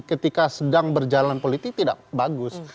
ketika sedang berjalan politik tidak bagus